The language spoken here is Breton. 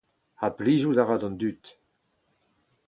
Ha plijout a ra d'an dud.